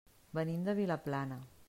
Venim de Vilaplana.